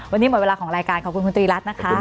วันนี้หมดเวลาของรายการขอบคุณคุณตรีรัฐนะคะ